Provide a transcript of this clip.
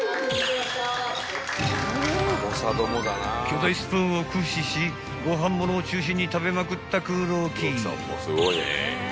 ［巨大スプーンを駆使しご飯物を中心に食べまくった黒木］